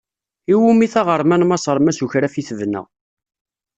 I wumi taɣerma n Maṣaṛ ma s ukraf i tebna.